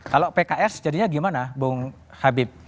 kalau pks jadinya gimana bung habib